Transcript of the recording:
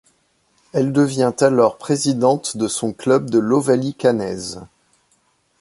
Elle devient alors présidente de son club de l'Ovalie caennaise.